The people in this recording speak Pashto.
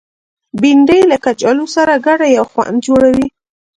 بېنډۍ له کچالو سره ګډه یو خوند جوړوي